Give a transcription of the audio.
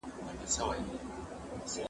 زه کولای سم کتابتون ته ولاړ سم!!